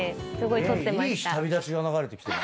『いい日旅立ち』が流れてきてる。